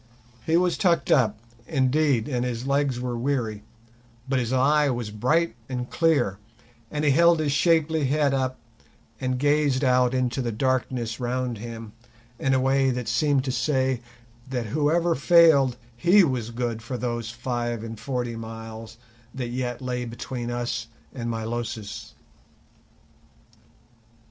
He was "tucked up", indeed, and his legs were weary, but his eye was bright and clear, and he held his shapely head up and gazed out into the darkness round him in a way that seemed to say that whoever failed he was good for those five and forty miles that yet lay between us and Milosis.